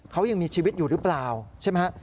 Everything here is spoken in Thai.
เขายังมีชีวิตอยู่หรือเปล่าใช่ไหมฮะ